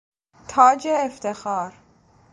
تاج افتخار